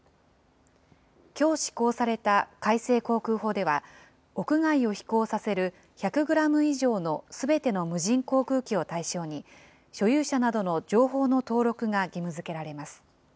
きょう施行された改正航空法では、屋外を飛行させる１００グラム以上のすべての無人航空機を対象に、所有者などの情報の登録が義務づけられます。